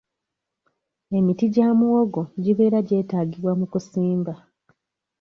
Emiti gya muwogo gibeera gyetaagibwa mu kusimba.